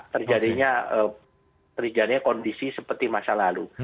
terjadi kondisi seperti masa lalu